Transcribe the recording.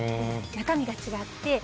中身が違って。